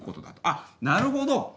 あっなるほど！